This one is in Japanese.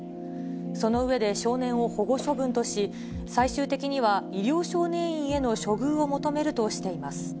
その上で、少年を保護処分とし、最終的には医療少年院への処遇を求めるとしています。